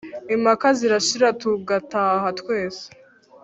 impaka zirashira tugataha twese